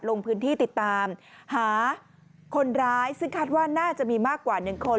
ลงพื้นที่ติดตามหาคนร้ายซึ่งคาดว่าน่าจะมีมากกว่า๑คน